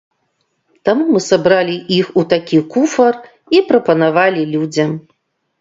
Таму мы сабралі іх у такі куфар і прапанавалі людзям.